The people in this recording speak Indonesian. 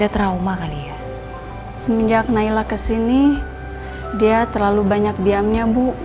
terima kasih ibu